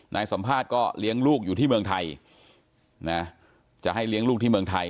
นายสัมภาษณ์ก็เลี้ยงลูกอยู่ที่เมืองไทยนะจะให้เลี้ยงลูกที่เมืองไทย